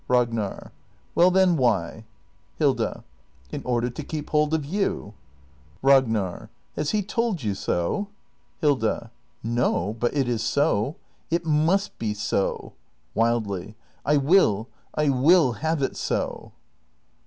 Ragnar. Well then, why ? Hilda. In order to keep hold of you. Ragnar. Has he told you so? Hilda. No, but it i s so. It m u s t be so! [Wildly.] I will — I will have it so